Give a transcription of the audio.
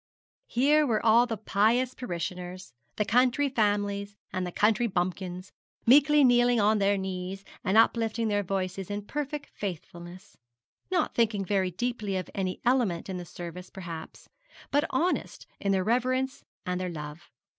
Here were all the pious parishioners, the county families, and the country bumpkins, meekly kneeling on their knees, and uplifting their voices in perfect faithfulness not thinking very deeply of any element in the service perhaps, but honest in their reverence and their love.